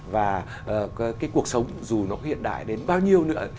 và cái cuộc sống dù nó hiện đại đến bao nhiêu nữa